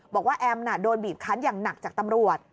แอมโดนบีบคันอย่างหนักจากตำรวจ